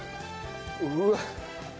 うわっ！